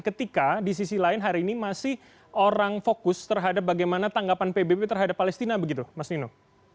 ketika di sisi lain hari ini masih orang fokus terhadap bagaimana tanggapan pbb terhadap palestina begitu mas nino